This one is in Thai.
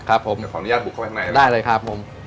ครับผมได้เลยครับผมอย่าขออนุญาตบุกเข้าไปข้างในเลยนะครับ